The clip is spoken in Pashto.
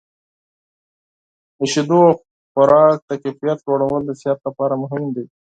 د شیدو او خوراک د کیفیت لوړول د صحت لپاره مهم دي.